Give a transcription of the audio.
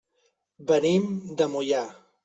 Venim de Moià.